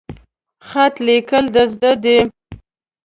خط لیکل د زده ده؟